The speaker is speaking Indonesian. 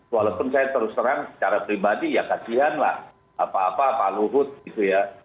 walaupun saya terus terang secara pribadi ya kasian lah apa apa pak luhut gitu ya